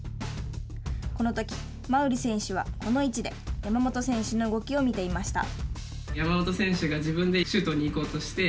このとき、馬瓜選手はこの位置で山本選手の動きを見ていました。